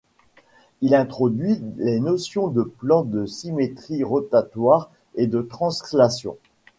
Il introduit les notions de plans de symétries rotatoires et de translation.